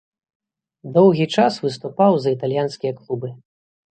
Доўгі час выступаў за італьянскія клубы.